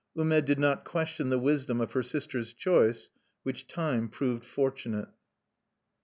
Ume did not question the wisdom of her sister's choice, which time proved fortunate.